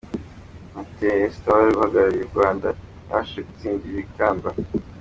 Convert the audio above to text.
Mutesi Esther wari uhagarariye u Rwanda ntiyabashige kutsindira iri kamba.